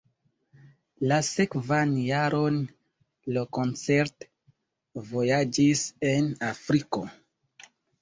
La sekvan jaron Lo koncert-vojaĝis en Afriko.